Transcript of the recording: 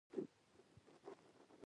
د حملې لپاره یې لويه تیاري نیولې ده.